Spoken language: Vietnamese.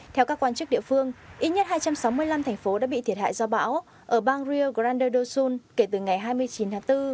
theo các quan chức địa phương ít nhất hai trăm sáu mươi năm thành phố đã bị thiệt hại do bão ở bang rio grande do sul kể từ ngày hai mươi chín tháng bốn